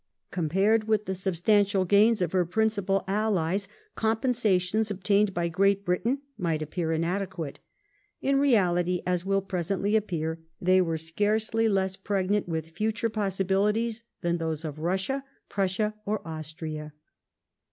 Compared with the substantial gains of her principal allies the 2 INTRODUCTORY [1815 compensations obtained by Great Britain might appear inadequate ; in reality, as will presently appear, they were scarcely less pregnant with future possibilities than those of Russia, Prussia, or Austria.